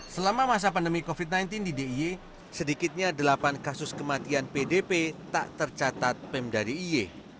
selama masa pandemi covid sembilan belas di d i y sedikitnya delapan kasus kematian pdp tak tercatat pemda d i e